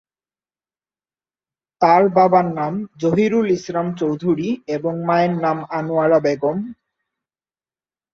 তার বাবার নাম জহিরুল ইসলাম চৌধুরী এবং মায়ের নাম আনোয়ারা বেগম।